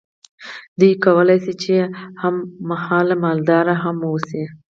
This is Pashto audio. دوی کولی شول چې هم مهاله مالدار هم واوسي.